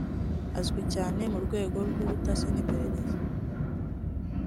azwi cyane mu rwego rw’ubutasi n’iperereza